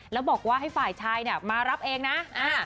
แล้วบอกว่าให้ฝ่ายชายเนี่ยมารับเองนะอ่า